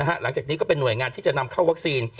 หลังจากนี้ก็เป็นหน่วยงานที่จะนำเข้าวัคซีน